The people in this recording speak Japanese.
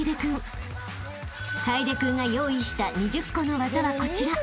［楓君が用意した２０個の技はこちら。